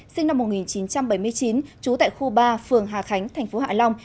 sinh năm một nghìn chín trăm bảy mươi chín trú tại khu ba phường hà khánh tp hạ long